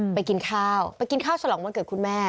กินข้าวไปกินข้าวฉลองวันเกิดคุณแม่